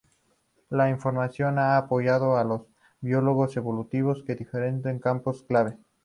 La informática ha apoyado a los biólogos evolutivos en diferentes campos clave.